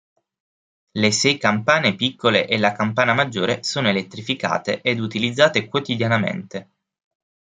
Le sei campane piccole e la campana maggiore sono elettrificate ed utilizzate quotidianamente.